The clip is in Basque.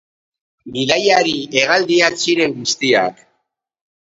Bidaiari hegaldiak ziren guztiak.